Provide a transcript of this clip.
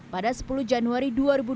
pada sepuluh januari dua ribu dua puluh